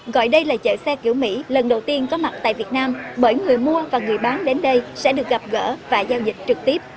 gọi đây là chợ xe kiểu mỹ lần đầu tiên có mặt tại việt nam bởi người mua và người bán đến đây sẽ được gặp gỡ và giao dịch trực tiếp